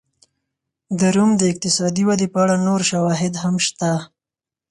د روم د اقتصادي ودې په اړه نور شواهد هم شته.